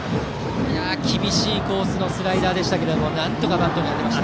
厳しいコースのスライダーでしたがなんとかバットに当てました。